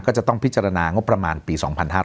ก็ต้องที่จะพิจารณางบประมาณปี๒๕๖๗